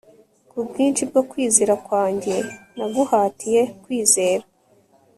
kubwinshi bwo kwizera kwanjye naguhatiye kwizera